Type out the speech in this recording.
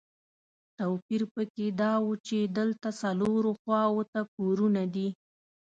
توپیر په کې دا و چې دلته څلورو خواوو ته کورونه دي.